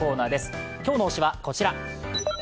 今日の推しはこちら。